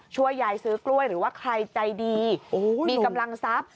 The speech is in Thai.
ช่วยยายซื้อกล้วยหรือว่าใครใจดีมีกำลังทรัพย์